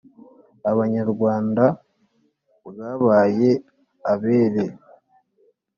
abanyarwanda bwabaye abere